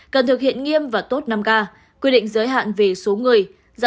cần thực hiện nghiêm và tốt năm k quy định giới hạn về số người